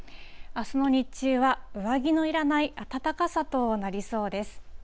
あすの日中は上着のいらない暖かさとなりそうです。